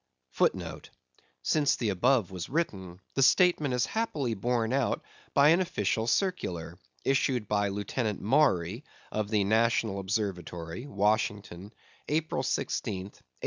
* *Since the above was written, the statement is happily borne out by an official circular, issued by Lieutenant Maury, of the National Observatory, Washington, April 16th, 1851.